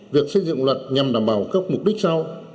việc xây dựng luật nhằm đảm bảo các mục đích sau